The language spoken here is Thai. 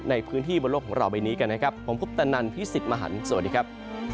ในพื้นที่บนโลกของเราใบนี้กันนะครับผมคุปตนันพี่สิทธิ์มหันฯสวัสดีครับ